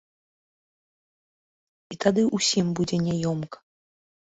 І тады ўсім будзе няёмка.